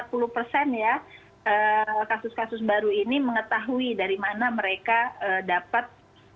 jadi kalau kita lihat kasus kasus baru ini mengetahui dari mana mereka dapat